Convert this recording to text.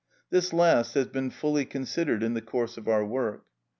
This last has been fully considered in the course of our work.